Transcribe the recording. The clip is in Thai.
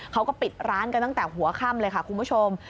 เขาก็ปิดร้านกันตั้งแต่หัวค่ำเลยค่ะคุณผู้ชม